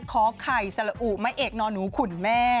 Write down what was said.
ขอให้สารอุไม่เอกนนูคุณแม่